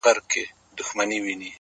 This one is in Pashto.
بيا به تاوان راکړې د زړگي گلي.